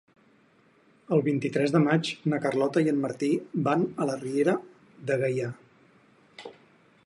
El vint-i-tres de maig na Carlota i en Martí van a la Riera de Gaià.